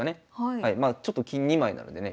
まあちょっと金２枚なのでね